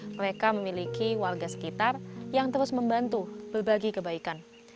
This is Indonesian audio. mereka memiliki warga sekitar yang terus membantu berbagi kebaikan